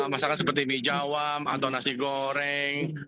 masakan seperti mijawam atau nasi goreng